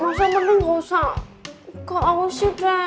mas al mending nggak usah ke osi deh